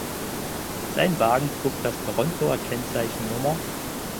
Sein Wagen trug das Torontoer Kennzeichen Nr.